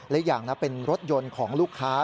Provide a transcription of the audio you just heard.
และอีกอย่างนะเป็นรถยนต์ของลูกค้า